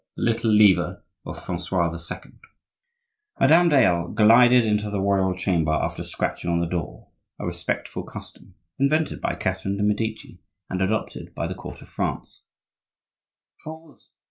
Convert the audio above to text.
THE LITTLE LEVER OF FRANCOIS II. Madame Dayelle glided into the royal chamber after scratching on the door,—a respectful custom, invented by Catherine de' Medici and adopted by the court of France.